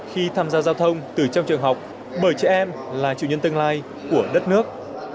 khi tham gia giao thông từ trong trường học bởi trẻ em là chủ nhân tương lai của đất nước